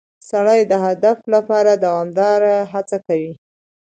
سړی د هدف لپاره دوامداره هڅه کوي